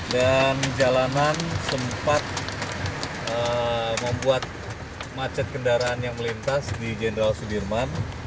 dan jalanan sempat membuat macet kendaraan yang melintas di jenderal sudirman